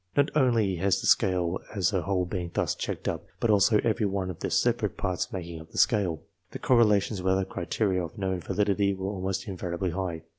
Not only has the/ scale as a whole been thus checked up, but also every one of the separate parts making up the scale. The correlations with other criteria of known validity were almost invariably high.